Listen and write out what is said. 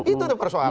itu tuh persoalan